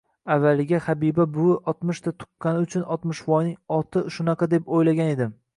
Avvaliga Habiba buvi oltmishta tuqqani uchun Oltmishvoyning oti shunaqa deb o‘ylagan edim.